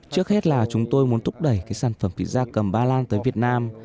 trước hết là chúng tôi muốn thúc đẩy cái sản phẩm thịt da cầm ba lan tới việt nam